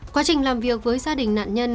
quá trình làm việc với gia đình nạn nhân